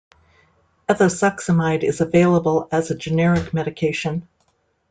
Ethosuximide is available as a generic medication.